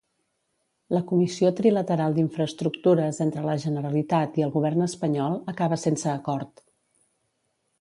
La comissió trilateral d'infraestructures entre la Generalitat i el govern espanyol acaba sense acord.